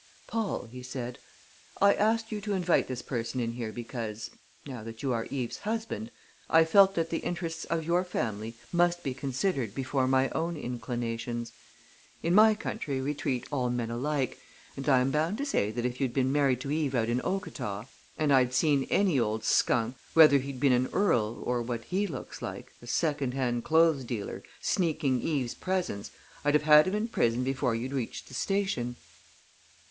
"Paul," he said, "I asked you to invite this person in here because, now that you are Eve's husband, I felt that the interests of your family must be considered before my own inclinations. In my country we treat all men alike, and I am bound to say that if you'd been married to Eve out in Okata, and I'd seen any old skunk, whether he'd been an earl or what he looks like a secondhand clothes dealer sneaking Eve's presents, I'd have had him in prison before you'd reached the station."